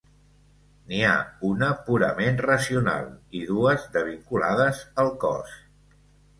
N'hi ha una purament racional i dues de vinculades al cos.